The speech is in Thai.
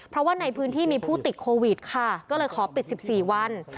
เพราะว่าในพื้นที่มีผู้ติดโควิดค่ะก็เลยขอปิด๑๔วัน